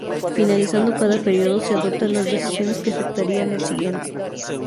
Finalizando cada período se adoptan las decisiones que afectarían al siguiente.